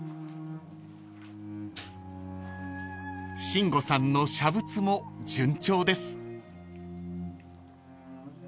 ［慎吾さんの写仏も順調です］